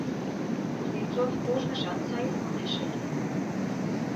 Кузнецов ожныжат сайын модеш ыле.